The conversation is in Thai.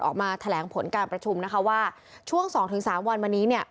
ออกมาแถลงผลการประชุมนะคะว่าช่วง๒๓วันมานี้เนี่ย